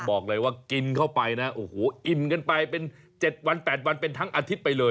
บอกเลยว่ากินเข้าไปนะโอ้โหอิ่มกันไปเป็น๗วัน๘วันเป็นทั้งอาทิตย์ไปเลย